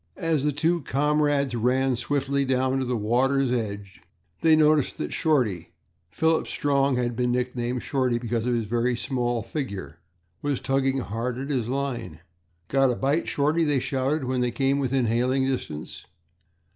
As the two comrades ran swiftly down to the water's edge, they noticed that Shorty Philip Strong had been nicknamed Shorty because of his very small figure was tugging hard at his line. "Got a bite, Shorty?" they shouted, when they came within hailing distance.